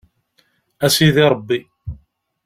A sidi Ṛebbi.